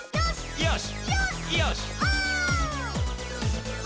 「よし！」